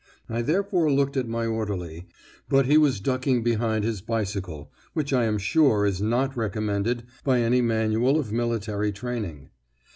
I therefore looked at my orderly; but he was ducking behind his bicycle, which I am sure is not recommended by any manual of military training!